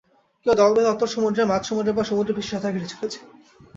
কেউ দল বেঁধে অতল সমুদ্রে, মাঝ সমুদ্রে বা সমুদ্রপৃষ্ঠে সাঁতার কেটে চলছে।